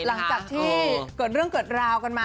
หลังจากที่เกิดเรื่องเกิดราวกันมา